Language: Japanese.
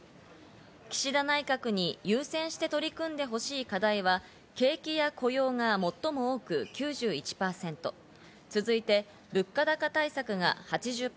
岸田内閣に優先して取り組んでほしい課題は、景気や雇用が最も多く９１％。続いて物価高対策が８０％。